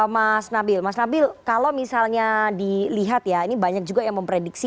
mas nabil mas nabil kalau misalnya dilihat ya ini banyak juga yang memprediksi